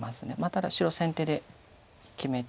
ただ白先手で決めて。